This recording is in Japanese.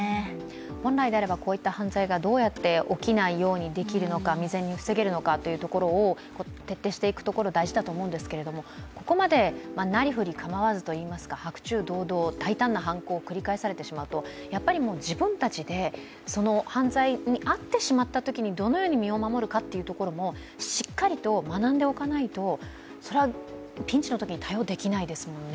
本来であればこういった犯罪が、どうやって起きないようにできるのか未然に防げるのかというところを徹底していくところは大事だと思うんですけれどもここまでなりふり構わずといいますか白昼堂々、大胆な犯行を繰り返されてしまうと、やっぱり自分たちでその犯罪に遭ってしまったときにどのように身を守るかということもしっかりと学んでおかないとそれはピンチのときに対応できないですもんね。